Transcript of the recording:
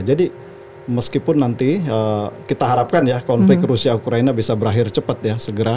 jadi meskipun nanti kita harapkan ya konflik rusia ukraine bisa berakhir cepat ya segera